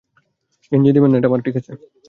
গেঞ্জি দিবেন না, - এটা আমার, - ঠিক আছে।